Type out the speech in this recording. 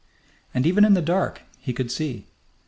And even in the dark he could see.